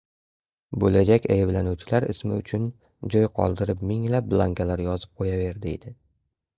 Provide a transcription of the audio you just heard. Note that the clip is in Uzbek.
Boʻlajak ayblanuvchilar ismi uchun joy qoldirib minglab blankalar yozib qoʻyaver deydi.